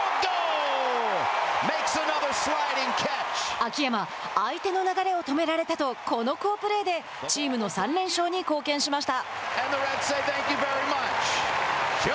秋山、相手の流れを止められたとこの好プレーでチームの３連勝に貢献しました。